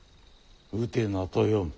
「うてな」と読む。